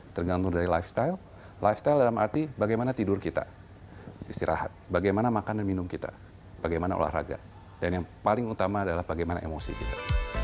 tergantung dari lifestyle lifestyle dalam arti bagaimana tidur kita istirahat bagaimana makan dan minum kita bagaimana olahraga dan yang paling utama adalah bagaimana emosi kita